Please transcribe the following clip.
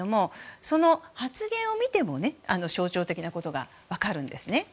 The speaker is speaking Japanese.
その発言を見ても象徴的なことが分かるんですね。